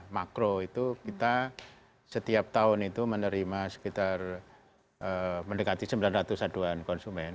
makro itu kita setiap tahun itu menerima sekitar mendekati sembilan ratus aduan konsumen